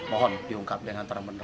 mohon diungkap dengan terang beneran